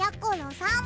さん